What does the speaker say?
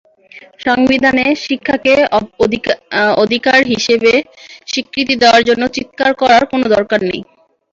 সংবিধানে শিক্ষাকে অধিকার হিসেবে স্বীকৃতি দেওয়ার জন্য চিৎকার করার কোনো দরকার নেই।